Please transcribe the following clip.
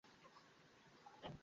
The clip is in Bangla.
তাকে আমার নাম্বার দিবেন না।